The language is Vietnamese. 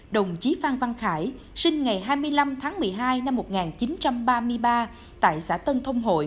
đồng chí phan văn khải sinh ngày hai mươi năm tháng một mươi hai năm một nghìn chín trăm ba mươi ba tại xã tân thông hội